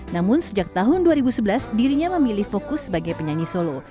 namun sejak tahun dua ribu sebelas dirinya memilih fokus sebagai penyanyi solo